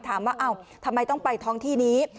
ถามว่าทำไมต้องไปท้องที่นี้